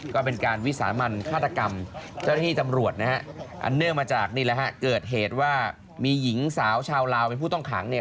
ก็เป็นการวิสามันฆาตกรรมเจ้าหน้าที่ตำรวจนะฮะอันเนื่องมาจากนี่แหละฮะเกิดเหตุว่ามีหญิงสาวชาวลาวเป็นผู้ต้องขังเนี่ย